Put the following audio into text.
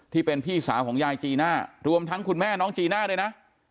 ที่เป็นพี่สาวของยายจีน่ารวมทั้งคุณแม่น้องจีน่าด้วยนะ